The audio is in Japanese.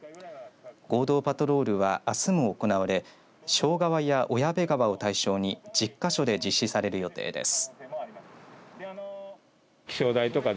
合同パトロールは、あすも行われ庄川や小矢部川を対象に１０か所で実施される予定です。